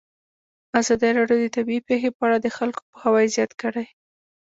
ازادي راډیو د طبیعي پېښې په اړه د خلکو پوهاوی زیات کړی.